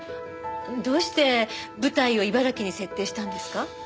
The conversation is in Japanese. どうして舞台を茨城に設定したんですか？